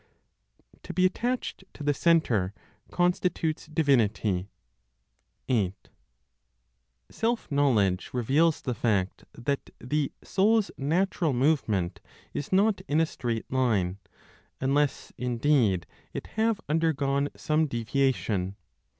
TO BE ATTACHED TO THE CENTRE CONSTITUTES DIVINITY. 8. Self knowledge reveals the fact that the soul's natural movement is not in a straight line, unless indeed it have undergone some deviation.